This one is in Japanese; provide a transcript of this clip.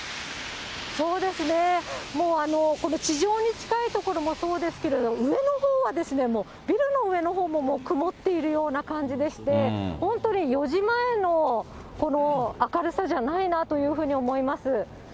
そうですね、もう地上に近い所もそうですけれども、上のほうはもう、ビルの上のほうも曇っているような感じでして、本当に４時前の明るさじゃないなというふうに思います。